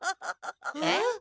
えっ？